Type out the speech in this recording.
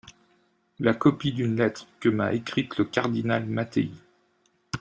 la copie d'une lettre que m'a écrite le cardinal Mattei.